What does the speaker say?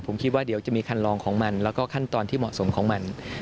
ผมคิดว่าเดี๋ยวจะมีคันลองของมันแล้วก็ขั้นตอนที่เหมาะสมของมัน